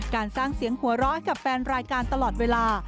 การสร้างเสียงหัวเราะกับแฟนรายการตลอดเวลา